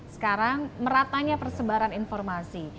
sekarang meratanya persebaran informasi